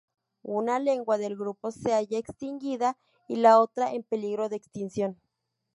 Una lengua del grupo se halla extinguida, y la otra en peligro de extinción.